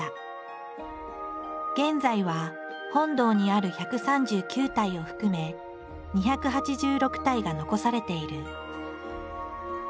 現在は本堂にある１３９体を含め２８６体が残されている。